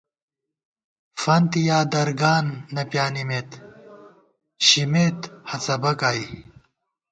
فنت یا درگان نہ پیانِمېت شمېت ہَڅَبَک آئی